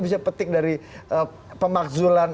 bisa petik dari pemakzulan